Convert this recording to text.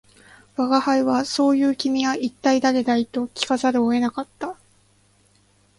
吾輩は「そう云う君は一体誰だい」と聞かざるを得なかった